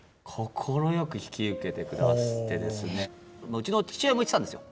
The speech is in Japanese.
うちの父親も言ってたんですよ